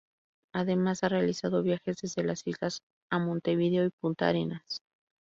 Además, ha realizado viajes desde las islas a Montevideo y Punta Arenas.